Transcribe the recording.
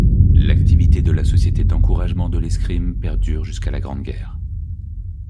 L'activité de la Société d'encouragement de l'escrime perdure jusqu'à la Grande guerre.